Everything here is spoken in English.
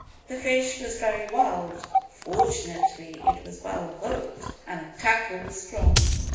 The fish was very wild fortunately it was well hooked, and the tackle was strong.